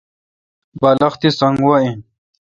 بالخ تی سنگ وا این